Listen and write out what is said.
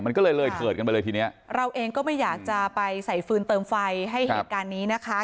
มันก็เลยเลยเถิดกันไปเลยทีเนี้ยเราเองก็ไม่อยากจะไปใส่ฟืนเติมไฟให้เหตุการณ์นี้นะคะ